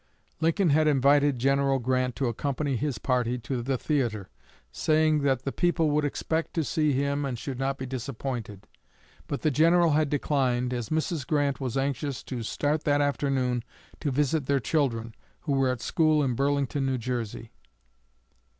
Lincoln had invited General Grant to accompany his party to the theatre, saying that the people would expect to see him and should not be disappointed. But the General had declined, as Mrs. Grant was anxious to start that afternoon to visit their children, who were at school in Burlington, New Jersey.